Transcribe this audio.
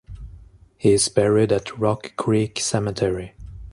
He is buried at Rock Creek Cemetery.